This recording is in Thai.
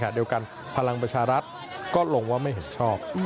เดียวกันพลังประชารัฐก็ลงว่าไม่เห็นชอบ